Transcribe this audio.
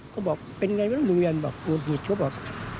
เขาบอกเป็นยังไงรุงเวียนบอกอุดหิตเขาบอก